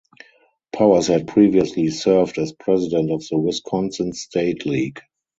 Powers had previously served as president of the Wisconsin State League.